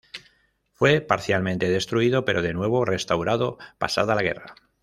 Fue parcialmente destruido pero de nuevo restaurado pasada la guerra.